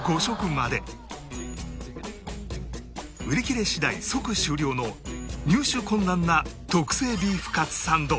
売り切れ次第即終了の入手困難な特製ビーフカツサンド